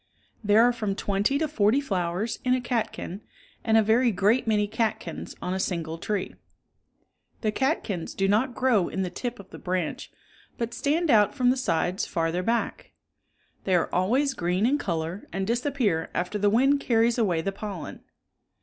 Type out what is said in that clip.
There are from twenty to forty flowers in a catkin and a very great many catkins on a single tree. The catkins do not grow in the tip of the branch, but stand out from the sides farther back. They are always green in color and disappear after the wind carries away the pollen.